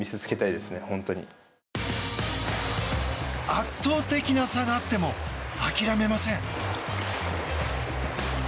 圧倒的な差があっても諦めません。